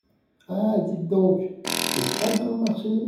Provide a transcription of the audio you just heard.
Ah ! dites donc ! c'est pas dans le marché.